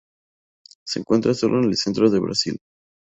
Se encuentra sólo en el centro de Brasil.